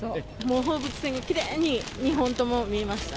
放物線がきれいに２本とも見えました。